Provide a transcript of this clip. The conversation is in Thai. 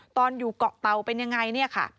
ตอนอยู่เกาะเตาเป็นยังไง